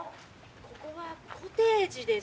ここはコテージです。